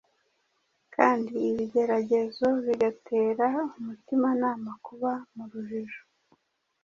kandi ibigeragezo bigatera umutimanama kuba mu rujijo.